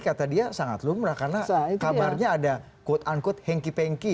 kata dia sangat lumrah karena kabarnya ada quote unquote hengki pengki